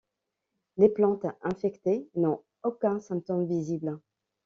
Les plantes infectées n'ont aucun symptôme visible.